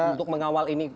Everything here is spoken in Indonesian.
untuk mengawal ini